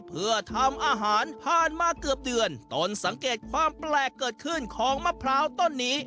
เพื่อทำอาหารผ่านมาเกือบเดือนต้นสังเกตความแปลกเกิดขึ้นของมะพร้าวต้นนี้